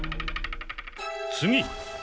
次！